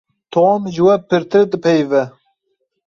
Tom ji we pirtir dipeyive.